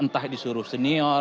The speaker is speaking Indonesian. entah disuruh senior